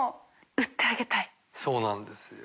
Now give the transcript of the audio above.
そうなんですよ。